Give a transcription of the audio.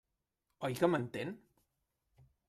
Oi que m'entén?